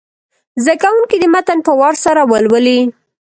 زده کوونکي دې متن په وار سره ولولي.